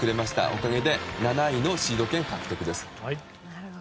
おかげで７位のシード権獲得です。